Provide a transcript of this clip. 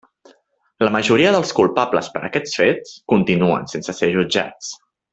La majoria dels culpables per aquests fets continuen sense ser jutjats.